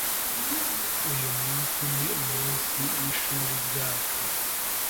Uyu munsi ni umunsi w'ishuri ryacu.